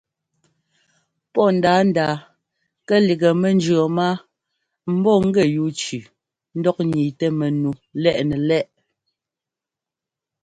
Pɔ́ ndǎandǎa kɛ lígɛ mɛnjʉ̈ɔɔ máa m bɔ́ gɛ yúu tsʉʉ ńdɔk ńniitɛ mɛnu lɛꞌ nɛ lɛʼ.